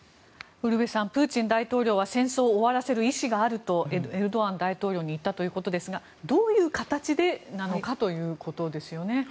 ウルヴェさんプーチン大統領は戦争を終わらせる意思があるとエルドアン大統領に言ったということですがどういう形でなのかということですよね。